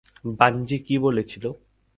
Bungee কি বলেছিলো?